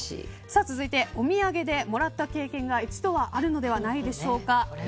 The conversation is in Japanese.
続いてお土産でもらった経験が一度はあるのではないでしょうか。